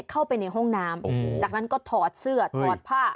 เข้าไปในห้องน้ำจากนั้นก็ถอดเสื้อถอดผ้า